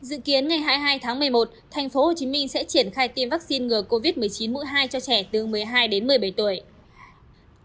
dự kiến ngày hai mươi hai tháng một mươi một tp hcm sẽ triển khai tiêm vaccine ngừa covid một mươi chín mũi hai cho trẻ từ một mươi hai đến một mươi bảy tuổi